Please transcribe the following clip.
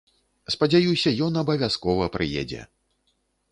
Спадзяюся, ён абавязкова прыедзе!